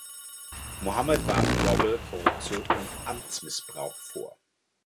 Mohamed warf Roble Korruption und Amtsmissbrauch vor.